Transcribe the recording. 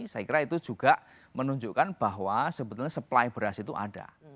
saya kira itu juga menunjukkan bahwa sebetulnya supply beras itu ada